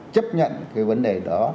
chấp nhận cái vấn đề đó